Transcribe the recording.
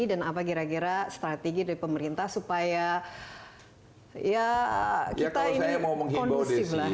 dan apa gira gira strategi dari pemerintah supaya ya kita ini kondusif lah